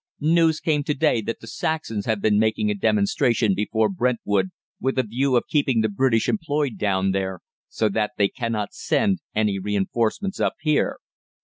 News came to day that the Saxons have been making a demonstration before Brentwood with a view of keeping the British employed down there so that they cannot send any reinforcements up here.